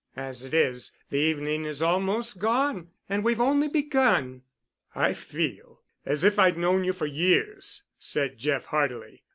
As it is, the evening is almost gone, and we've only begun." "I feel as if I'd known you for years," said Jeff heartily.